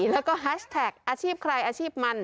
แล้วก็อาชีพใครอาชีพมัน